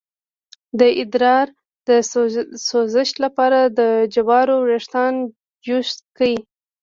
د ادرار د سوزش لپاره د جوارو ویښتان جوش کړئ